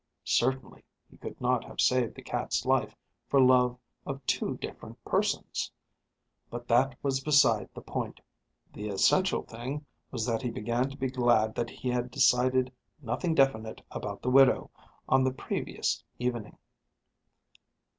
Certainly he could not have saved the cat's life for love of two different persons. But that was beside the point. The essential thing was that he began to be glad that he had decided nothing definite about the widow on the previous evening.